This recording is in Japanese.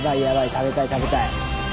食べたい食べたい。